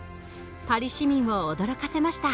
パリ市民を驚かせました。